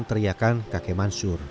teriakan kakek mansur